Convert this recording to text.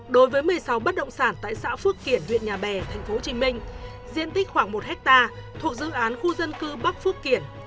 đối với một mươi sáu bất động sản tại xã phước kiển huyện nhà bè tp hcm diện tích khoảng một hectare thuộc dự án khu dân cư bắc phước kiển